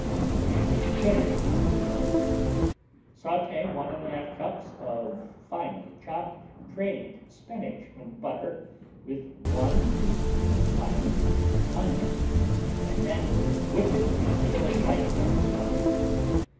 Cheese Spinach Soufflé Sauté 1 1/2 cups of finely chopped, drained spinach in butter with 1 teaspoon finely grated onion, and then whip it until light and fluffy.